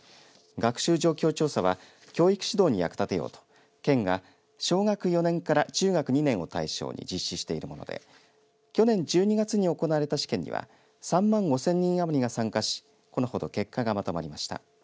学習状況調査は教育指導に役立てようと県が小学４年から中学２年を対象に実施しているもので去年１２月に行われた試験には３万５０００人余りが参加しこのほど結果がまとまりました。